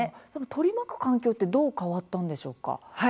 取り巻く環境ってどう変わったんでしょうか？